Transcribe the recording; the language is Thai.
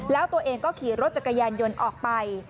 แล้วตัวเองก็ขี่รถจักรยานยนต์ออกไป